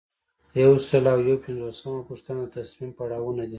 یو سل او یو پنځوسمه پوښتنه د تصمیم پړاوونه دي.